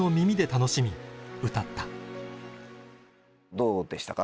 どうでしたか？